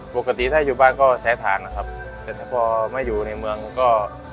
ปกติถ้าอยู่บ้านก็แสดงนะครับจริงที่มาอยู่ในเมืองก็